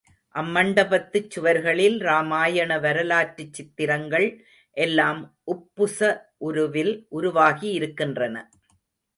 அம் மண்டபத்துச் சுவர்களில் ராமாயண வரலாற்றுச் சித்திரங்கள் எல்லாம் உப்புச உருவில் உருவாகி இருக்கின்றன.